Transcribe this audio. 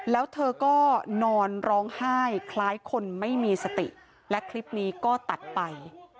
แล้วเธอก็นอนร้องไห้คล้ายคนไม่มีสติและคลิปนี้ก็ตัดไป